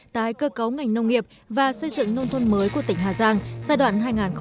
tái cơ cấu ngành nông nghiệp và xây dựng nông thôn mới của tỉnh hà giang giai đoạn hai nghìn một mươi một hai nghìn hai mươi